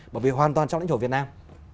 bởi vì hoàn toàn trong lãnh thổ việt nam